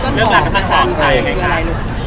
มาจากเป็นเรื่องการเลือกลากับพี่ต้นหอม